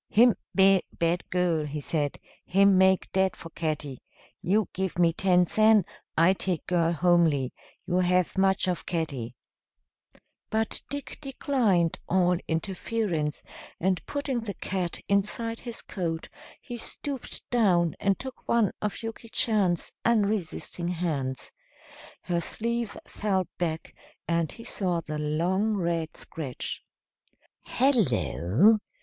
"Him ve'y bad girl," he said; "him make dead for catty. You give me ten sen, I take girl homely. You have much of catty." But Dick declined all interference, and putting the cat inside his coat he stooped down and took one of Yuki Chan's unresisting hands. Her sleeve fell back, and he saw the long red scratch. "Hello!